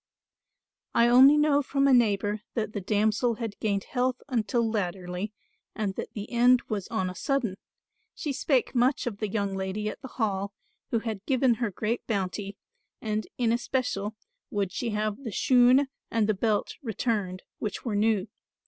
"I only know from a neighbour that the damsel had gained health until latterly and that the end was on a sudden. She spake much of the young lady at the Hall, who had given her great bounty; and in especial would she have the shoon and the belt returned, which were new.